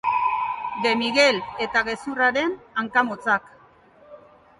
De Miguel eta gezurraren hanka motzak.